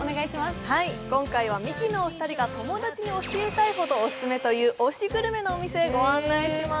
今回はミキのお二人が友達に教えたいほどオススメという推しグルメのお店へご案内します。